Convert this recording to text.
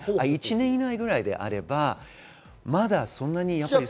１年以内ぐらいであればまだそんなに。